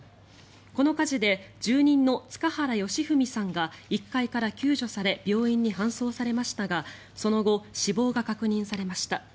この火事で住人の塚原良文さんが１階から救助され病院に搬送されましたがその後、死亡が確認されました。